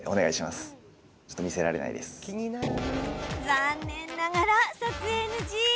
残念ながら撮影ＮＧ。